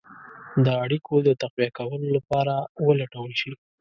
د اړېکو د تقویه کولو لپاره ولټول شي.